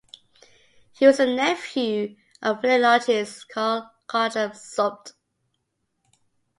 He was a nephew of philologist Karl Gottlob Zumpt.